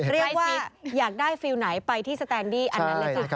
เรียกว่าอยากได้ฟิลไหนไปที่สแตนดี้